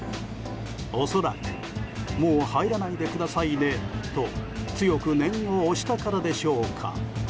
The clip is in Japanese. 恐らくもう入らないでくださいねと強く念を押したからでしょうか。